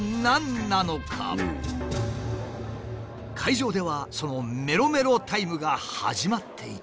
会場ではそのメロメロタイムが始まっていた。